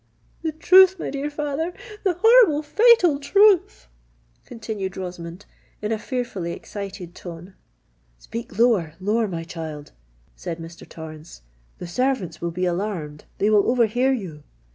"The truth, my dear father—the horrible, the fatal truth!" continued Rosamond, in a fearfully excited tone. "Speak lower—lower, my child," said Mr. Torrens: "the servants will be alarmed—they will overhear you.